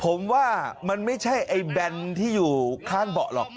ผมว่ามันไม่ใช่ไอ้แบนที่อยู่ข้างเบาะหรอก